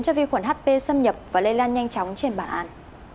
cho vi khuẩn hp xâm nhập và lây lan nhanh chóng trên bản án